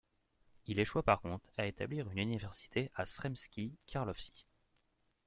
Il échoua par contre à établirune université à Sremski Karlovci.